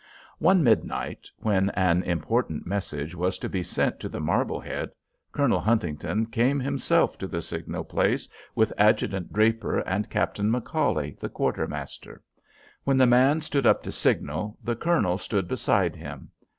One midnight, when an important message was to be sent to the Marblehead, Colonel Huntington came himself to the signal place with Adjutant Draper and Captain McCauley, the quartermaster. When the man stood up to signal, the colonel stood beside him.